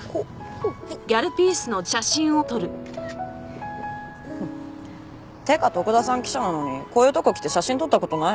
こう？ってか徳田さん記者なのにこういうとこ来て写真撮った事ないの？